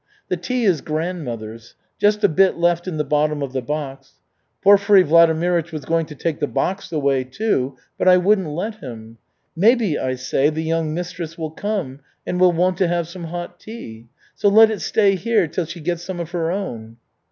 "The tea is grandmother's just a bit left in the bottom of the box. Porfiry Vladimirych was going to take the box away, too, but I wouldn't let him. 'Maybe,' I say, 'the young mistress will come and will want to have some hot tea. So let it stay here till she gets some of her own.'